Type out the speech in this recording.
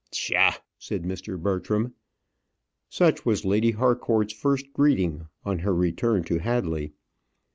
"Psha!" said Mr. Bertram. Such was Lady Harcourt's first greeting on her return to Hadley.